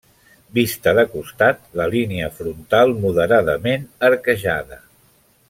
Vista de costat, la línia frontal moderadament arquejada.